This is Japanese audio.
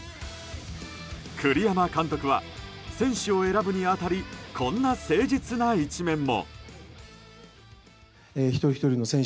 栗山監督は選手を選ぶに当たりこんな誠実な一面も。